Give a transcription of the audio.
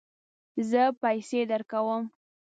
زه پیسې درکوم